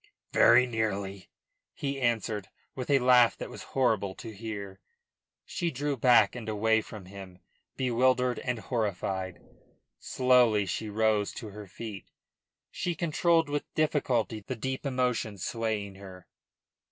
"Very nearly," he answered, with a laugh that was horrible to hear. She drew back and away from him, bewildered and horrified. Slowly she rose to her feet. She controlled with difficulty the deep emotion swaying her.